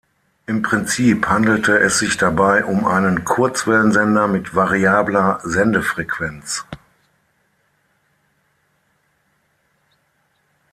Im Prinzip handelte es sich dabei um einen Kurzwellensender mit variabler Sendefrequenz.